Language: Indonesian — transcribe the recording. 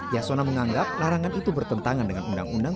yasona menganggap larangan itu bertentangan dengan undang undang